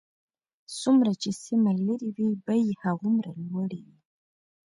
څومره چې سیمه لرې وي بیې هغومره لوړې وي